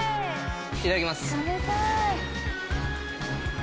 いただきます。